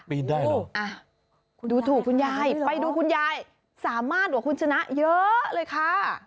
ปีนได้หรอคุณยายไปดูคุณยายสามารถหวังคุณชนะเยอะเลยค่ะ